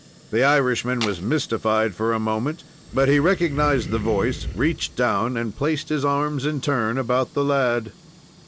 The Irishman was mystified for a moment, but he recognized the voice, reached down, and placed his arms in turn about the lad.